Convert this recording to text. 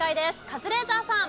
カズレーザーさん。